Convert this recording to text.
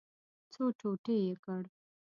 څو ټوټې یې کړ.